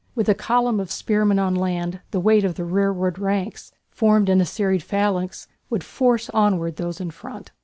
With a column of spearmen on land the weight of the rearward ranks, formed in a serried phalanx, would force onward those in front.